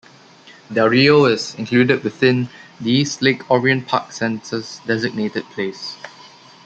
Del Rio is included within the East Lake-Orient Park census-designated place.